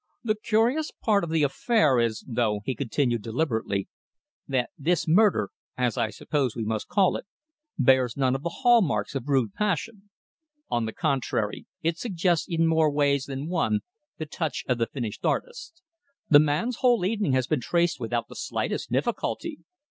"The curious part of the affair is, though," he continued deliberately, "that this murder, as I suppose we must call it, bears none of the hall marks of rude passion. On the contrary, it suggests in more ways than one the touch of the finished artist. The man's whole evening has been traced without the slightest difficulty.